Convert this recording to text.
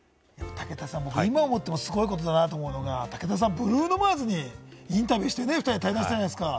武田さん、今思ってもすごいことだと思うのが、武田さん、ブルーノ・マーズにインタビューして、２人で対談したじゃないですか。